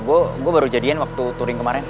gue gue baru jadian waktu touring kemarin